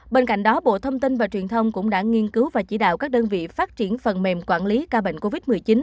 bên cạnh đó bộ thông tin và truyền thông cũng đã nghiên cứu và chỉ đạo các đơn vị phát triển phần mềm quản lý ca bệnh covid một mươi chín